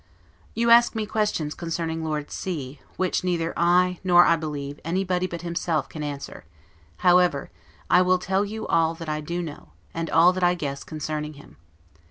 You ask me questions concerning Lord C , which neither I, nor, I believe, anybody but himself can answer; however, I will tell you all that I do know, and all that I guess, concerning him.